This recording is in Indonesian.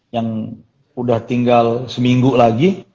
yang sudah tinggal seminggu lagi